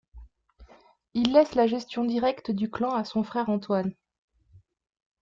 Il laisse la gestion directe du clan à son frère Antoine.